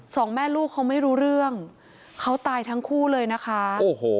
สองแม่ลูกเขาไม่รู้เรื่องเขาตายทั้งคู่เลยนะคะโอ้โห